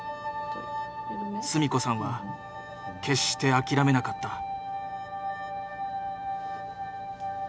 純子さんは決して諦めなかった。